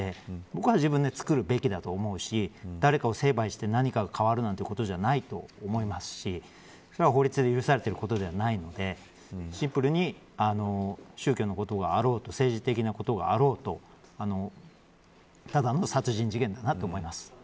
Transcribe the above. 僕は自分で作るべきだと思うし誰かを成敗して何かが変わるなんてことじゃないと思いますしそれは法律で許されていることではないのでシンプルに宗教のことがあろうと政治的なことがあろうとただの殺人事件だなと思います。